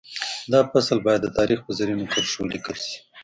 دا فصل باید د تاریخ په زرینو کرښو ولیکل شي